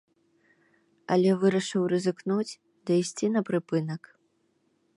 Але вырашыў рызыкнуць ды ісці на прыпынак.